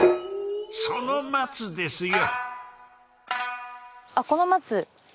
その松ですよ。